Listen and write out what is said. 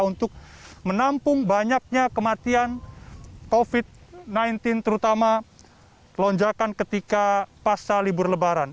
untuk menampung banyaknya kematian covid sembilan belas terutama lonjakan ketika pasca libur lebaran